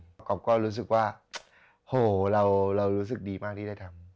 ประกอบก็รู้สึกว่าโหเรารู้สึกดีมากที่ได้ทำ